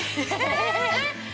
えっ！